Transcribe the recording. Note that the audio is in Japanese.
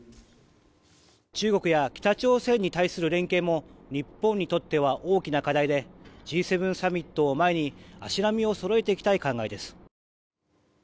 中国や北朝鮮に対する連携も日本にとっては大きな課題でＧ７サミットを前に足並みをそろえていきたい考えです。